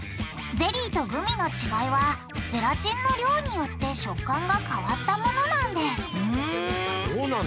ゼリーとグミの違いはゼラチンの量によって食感が変わったものなんですふん。